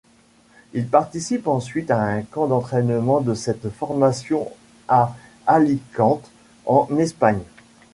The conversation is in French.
Il participe ensuite à un camp d'entraînement de cette formation à Alicante, en Espagne.